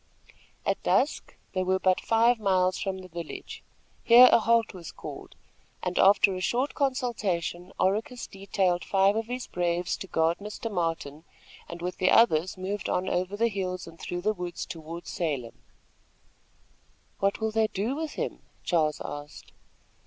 At dusk they were but five miles from the village. Here a halt was called, and, after a short consultation, Oracus detailed five of his braves to guard Mr. Martin, and with the others moved on over the hills and through the woods toward Salem. "What will they do with him?" Charles asked.